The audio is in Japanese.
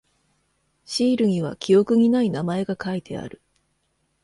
シールには記憶にない名前が書いてある。